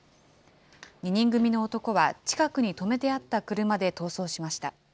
２人組の男は近くに止めてあった車で逃走しました。